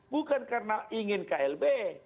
bukan karena ingin klb